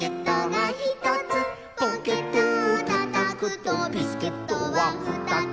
「ポケットをたたくとビスケットはふたつ」